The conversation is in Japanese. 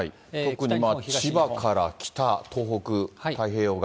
特に千葉から北、東北、太平洋岸。